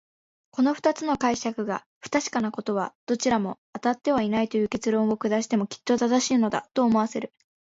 この二つの解釈が不確かなことは、どちらもあたってはいないという結論を下してもきっと正しいのだ、と思わせる。